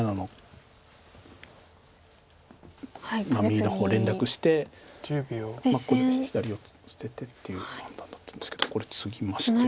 右の方連絡してこれ左を捨ててっていう判断だったんですけどこれツギまして。